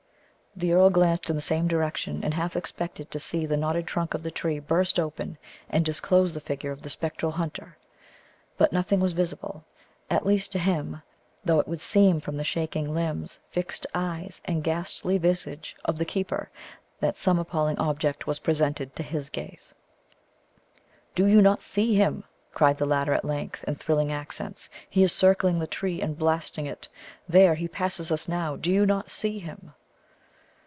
The earl glanced in the same direction, and half expected to see the knotted trunk of the tree burst open and disclose the figure of the spectral hunter. But nothing was visible at least, to him, though it would seem from the shaking limbs, fixed eyes, and ghastly visage of the keeper, that some appalling object was presented to his gaze. "Do you not see him?" cried the latter at length, in thrilling accents; "he is circling the tree, and blasting it. There! he passes us now do you not see him?"